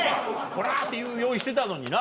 「こら！」って言う用意してたのにな。